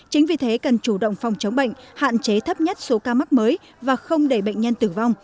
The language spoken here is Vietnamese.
chính vì thế cần chủ động phòng chống bệnh hạn chế thấp nhất số ca mắc mới và không để bệnh nhân tử vong